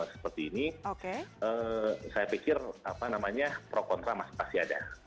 seperti ini saya pikir apa namanya pro kontra masih ada